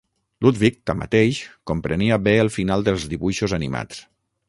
Ludwig tanmateix, comprenia bé el final dels dibuixos animats.